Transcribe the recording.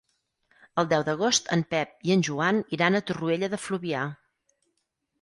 El deu d'agost en Pep i en Joan iran a Torroella de Fluvià.